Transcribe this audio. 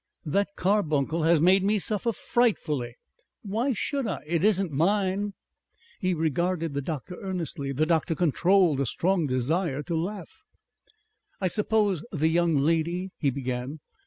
"That carbuncle has made me suffer FRIGHTFULLY.... Why should I? It isn't mine." He regarded the doctor earnestly. The doctor controlled a strong desire to laugh. "I suppose the young lady " he began.